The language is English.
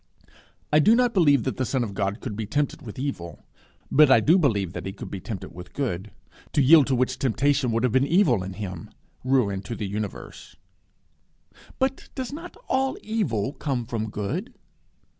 I do not believe that the Son of God could be tempted with evil, but I do believe that he could be tempted with good to yield to which temptation would have been evil in him ruin to the universe. But does not all evil come from good?